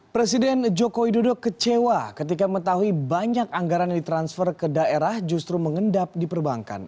presiden joko widodo kecewa ketika mengetahui banyak anggaran yang ditransfer ke daerah justru mengendap di perbankan